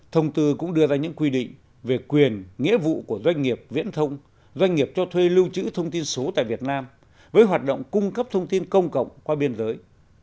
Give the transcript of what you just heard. thông tư cũng đưa ra những quy định về quyền nghĩa vụ của doanh nghiệp viễn thông doanh nghiệp cho thuê lưu trữ thông tin số tại việt nam với hoạt động cung cấp thông tin công cộng qua biên giới